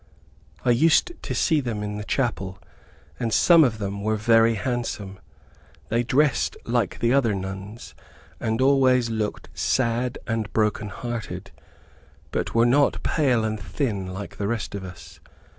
I used to see them in the chapel, and some of them were very handsome. They dressed like the other nuns, and always looked sad and broken hearted, but were not pale and thin like the rest of us.